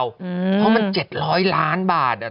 เพราะมัน๗๐๐ล้านบาท